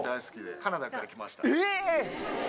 え⁉